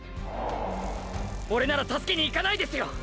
オレなら助けに行かないですよ！！